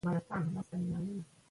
جهاد د اسلام او اسلامي امت عزت دی.